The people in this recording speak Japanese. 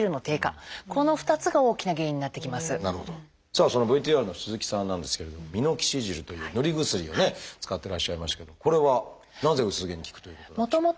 さあそのＶＴＲの鈴木さんなんですけれどもミノキシジルという塗り薬をね使ってらっしゃいましたけどこれはなぜ薄毛に効くということなんでしょう？